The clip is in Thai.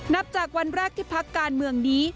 นับจากวันแรกที่พักการเมืองนี้